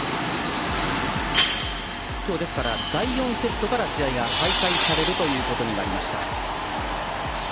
今日、第４セットから試合が再開されるということになりました。